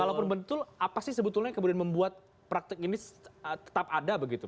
kalau pun betul apa sih sebetulnya kemudian membuat praktek ini tetap ada begitu